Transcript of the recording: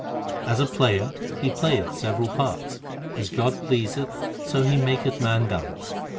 As a player he playeth several parts ; As God please th so He maketh man dance.